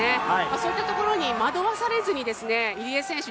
そういったところに惑わされずに入江選手